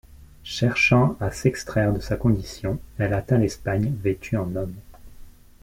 Cherchant à s’extraire de sa condition, elle atteint l’Espagne vêtue en homme.